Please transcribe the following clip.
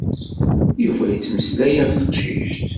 Yuba yettmeslay am teqcict.